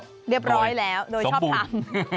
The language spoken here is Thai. เรียบร้อยแล้วโดยชอบทำนะคะสมบูรณ์